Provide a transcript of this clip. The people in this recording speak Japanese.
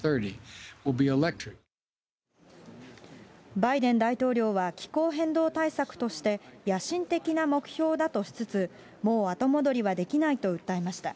バイデン大統領は、気候変動対策として、野心的な目標だとしつつ、もう後戻りはできないと訴えました。